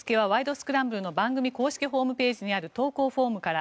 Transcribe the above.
スクランブル」の番組公式ホームページにある投稿フォームから。